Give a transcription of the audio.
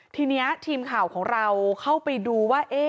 ทีนี้ทีมข่าวของเราเข้าไปดูว่า